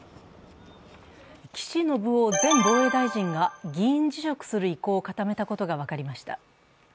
岸信夫前防衛大臣が議員辞職する意向を固めたことが分かりました。